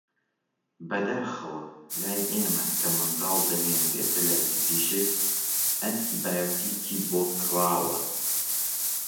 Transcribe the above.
بەداخەوە لای ئێمە کە منداڵ دەهێنرێتە لای پزیشک ئەنتی بایۆتیکی بۆ کڕدراوە